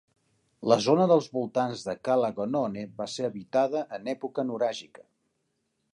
La zona dels voltants de Cala Gonone va ser habitada en època nuràgica.